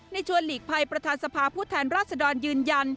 ในช่วงหลีกภัยประธานศภาพุทธันทรัศน์ยืนยัน